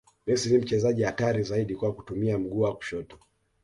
messi ni mchezaji hatari zaidi kwa kutumia mguu wa kushoto